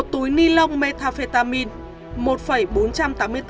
một túi ni lông methamphetamine